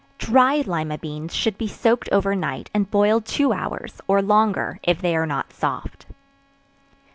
Dried Lima beans should be soaked over night, and boiled two hours or longer, if they are not soft.